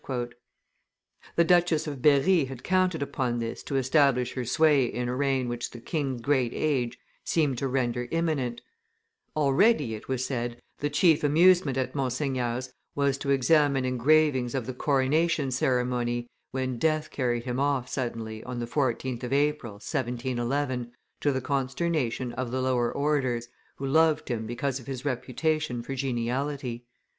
The Duchess of Berry had counted upon this to establish her sway in a reign which the king's great age seemed to render imminent; already, it was said, the chief amusement at Monseigneur's was to examine engravings of the coronation ceremony, when death carried him off suddenly on the 14th of April, 1711, to the consternation of the lower orders, who loved him because of his reputation for geniality.